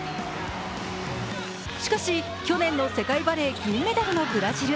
しかし、去年の世界バレー銀メダルのブラジル。